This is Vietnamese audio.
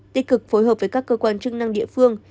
tích cực phối hợp với các cơ quan chức năng địa phương